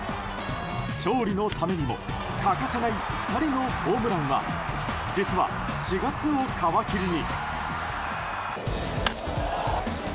勝利のためにも欠かせない２人のホームランは実は、４月を皮切りに。